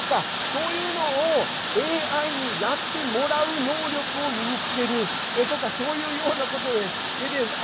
そういうのをＡＩにやってもらう能力を身につけるとかそういうようなことです。